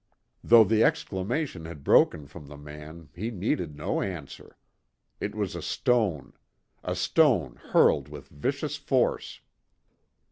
Though the exclamation had broken from the man he needed no answer. It was a stone. A stone hurled with vicious force.